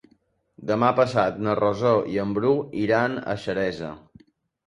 Demà passat na Rosó i en Bru iran a Xeresa.